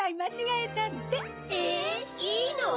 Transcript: えっいいの？